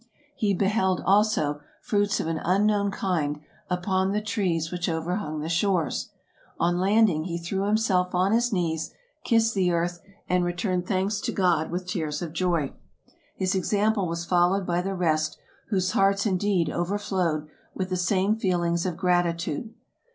He beheld, also, fruits of an unknown kind upon the trees which overhung the shores. On landing, he threw himself on his knees, kissed the earth, and returned thanks to God with tears of joy. His example was followed by the rest, whose hearts indeed overflowed with the same feelings of gratitude.